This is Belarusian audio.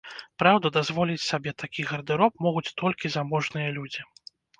Праўда, дазволіць сябе такі гардэроб могуць толькі заможныя людзі.